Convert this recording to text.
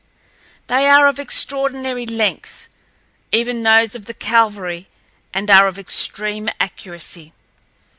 They are of extraordinary length, even those of the cavalry, and are of extreme accuracy.